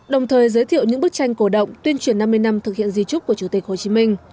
đồng thời giới thiệu những bức tranh cổ động tuyên truyền năm mươi năm thực hiện di trúc của chủ tịch hồ chí minh